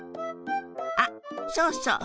あっそうそう。